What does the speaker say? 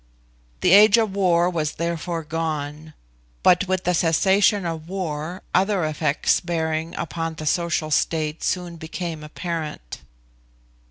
The age of war was therefore gone, but with the cessation of war other effects bearing upon the social state soon became apparent.